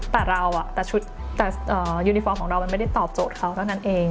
แต่เราแต่ชุดยูนิฟอร์มของเรามันไม่ได้ตอบโจทย์เขาเท่านั้นเอง